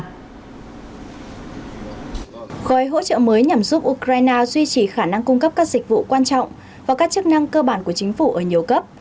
gói hỗ trợ mới nhằm giúp ukraine duy trì khả năng cung cấp các dịch vụ quan trọng và các chức năng cơ bản của chính phủ ở nhiều cấp